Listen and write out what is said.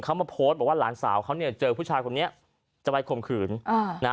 เขามาโพสต์บอกว่าหลานสาวเขาเนี่ยเจอผู้ชายคนนี้จะไปข่มขืนอ่านะ